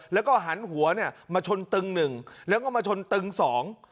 แล้วก็หันหัวเนี่ยมาชนตึงหนึ่งแล้วก็มาชนตึงสอง